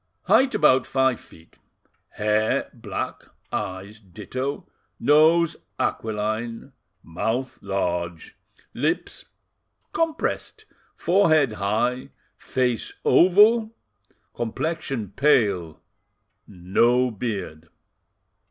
"'Height about five feet; hair black, eyes ditto, nose aquiline, mouth large, lips compressed, forehead high, face oval, complexion pale, no beard.